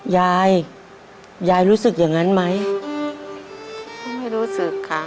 ยายยายรู้สึกอย่างนั้นไหมก็ไม่รู้สึกค่ะ